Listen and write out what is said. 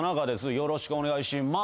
よろしくお願いしマウス。